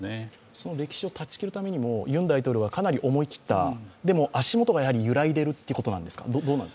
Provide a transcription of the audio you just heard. その歴史を断ち切るためにもユン大統領はかなり思い切ったでも、足元がやはり揺らいでいるということなんですか？